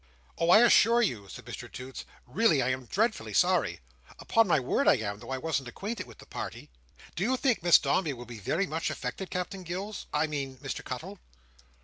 "Oh! I assure you," said Mr Toots, "really I am dreadfully sorry. Upon my word I am, though I wasn't acquainted with the party. Do you think Miss Dombey will be very much affected, Captain Gills—I mean Mr Cuttle?"